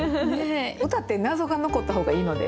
歌って謎が残った方がいいので。